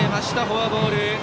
フォアボール。